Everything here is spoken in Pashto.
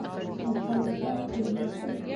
مخالفت کوي.